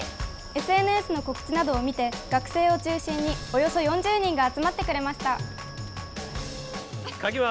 ＳＮＳの告知などを見て学生を中心におよそ４０人が集まってくれました。